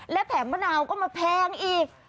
และแถมมะนาวก็มาแพงอีก